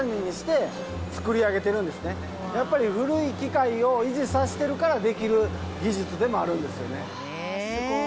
やっぱり古い機械を維持させてるからできる技術でもあるんですよね。